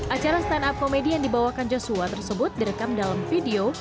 acara stand up komedi yang dibawakan joshua tersebut direkam dalam video